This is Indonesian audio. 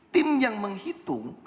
tim yang menghitung